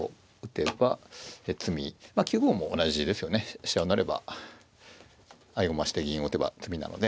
飛車を成れば合駒して銀を打てば詰みなので。